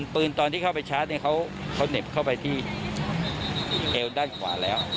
ปืนตอนที่เข้าไปชาร์จเนี่ยเขาเหน็บเข้าไปที่เอวด้านขวาแล้ว